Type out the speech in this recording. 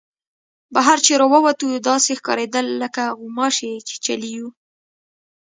بهر چې را ووتو داسې ښکارېدل لکه غوماشې چیچلي یو.